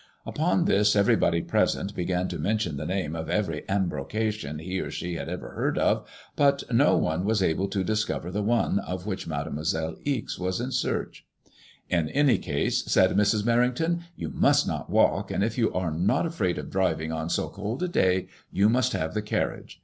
Upon this, everybody present began to mention the name of every embrocation he or she had ever heard of, but no one was i I08 MADSMOISBLLB IXk. able to discover the one of which Mademoiselle Ixe was in search. In any case/' said Mrs. Mer rington, ''you must not walk, and if you are not afraid of driving on so cold a day, you must have the carriage.